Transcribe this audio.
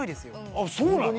あっそうなの？